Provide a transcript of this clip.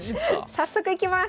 早速いきます！